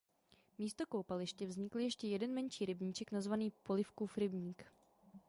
Místo koupaliště vznikl ještě jeden menší rybníček nazvaný Polifkův rybník.